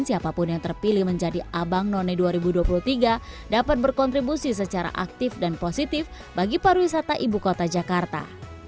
siapapun yang terpilih menjadi abang none dua ribu dua puluh tiga dapat berkontribusi secara aktif dan positif bagi pariwisata ibu kota jakarta